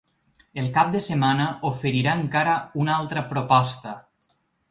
El cap de setmana oferirà encara una altra proposta.